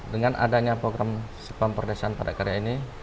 dengan adanya program spam perdesaan padat karya ini